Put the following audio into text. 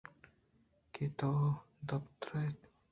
کہ توک ءَ پُترت